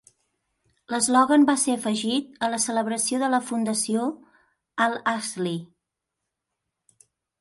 L'eslògan va ser afegit a la celebració de la Fundació al Ahly.